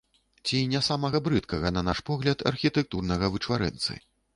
Ці не самага брыдкага, на наш погляд, архітэктурнага вычварэнцы.